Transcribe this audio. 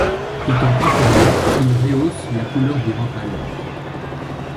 Étant teinturier, il rehausse la couleur des vins pâles.